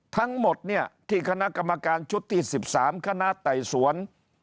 ทั้งหมดเนี่ยที่คณะกรรมการชุดที่๑๓คณะไต่สวน